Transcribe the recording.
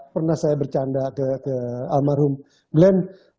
pernah saya bercanda ke almarhum glenn